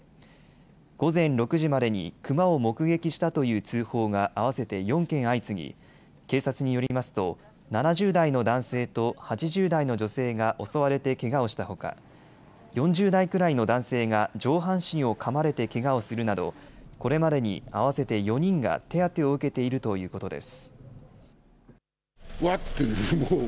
午前６時までにクマを目撃したという通報が合わせて４件相次ぎ、警察によりますと７０代の男性と８０代の女性が襲われてけがをしたほか４０代くらいの男性が上半身をかまれてけがをするなどこれまでに合わせて４人が手当てを受けているということです。